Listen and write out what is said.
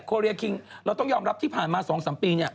เรียคิงเราต้องยอมรับที่ผ่านมา๒๓ปี